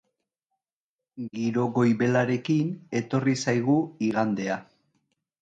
Giro goibelarekin etorri zaigu igandea.